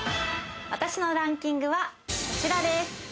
私のランキングはこちらです。